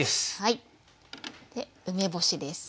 梅干しです。